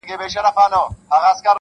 وايي د مُلا کتاب خاص د جنتونو باب-